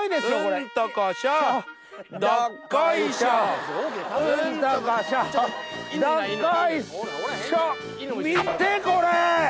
見てこれ！